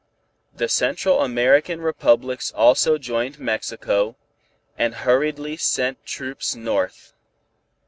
The Central American Republics also joined Mexico, and hurriedly sent troops north.